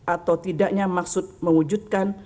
atau tidaknya maksud mewujudkan